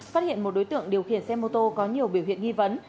phát hiện một đối tượng điều khiển xe mô tô có nhiều biểu hiện nghi vấn